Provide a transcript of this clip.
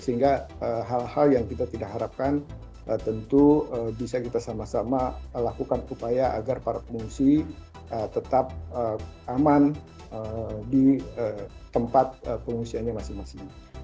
sehingga hal hal yang kita tidak harapkan tentu bisa kita sama sama lakukan upaya agar para pengungsi tetap aman di tempat pengungsiannya masing masing